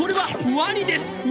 ワニです！